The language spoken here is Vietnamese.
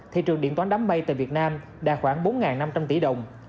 thị trường điện toán đám mây tại việt nam đạt khoảng bốn năm trăm linh tỷ đồng